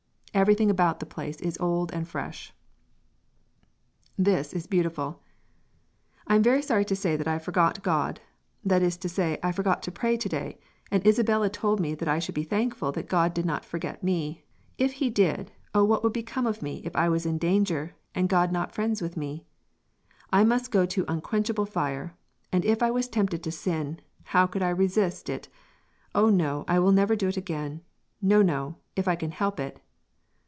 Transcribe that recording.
Everything about the place is old and fresh. This is beautiful: "I am very sorry to say that I forgot God that is to say I forgot to pray to day and Isabella told me that I should be thankful that God did not forget me if he did, O what would become of me if I was in danger and God not friends with me I must go to unquenchable fire and if I was tempted to sin how could I resist it O no I will never do it again no no if I can help it."